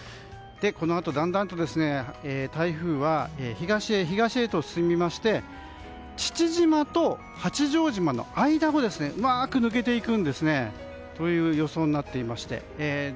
このあとだんだんと台風は東へ東へと進みまして父島と八丈島の間をうまく抜けていく予想になっていまして。